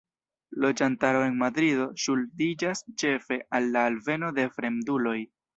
Loĝantaro en Madrido ŝuldiĝas ĉefe al la alveno de fremduloj.